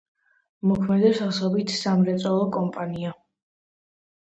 მოქმედებს ასობით სამრეწველო კომპანია.